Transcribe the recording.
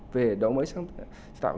về đổi mới sáng tạo